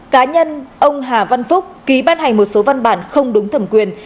cá nhân ông hà văn phúc ký ban hành một số văn bản không đúng thẩm quyền